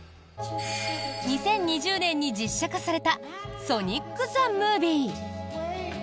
２０２０年に実写化された「ソニック・ザ・ムービー」。